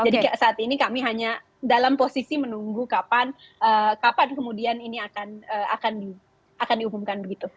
jadi saat ini kami hanya dalam posisi menunggu kapan kemudian ini akan diumumkan begitu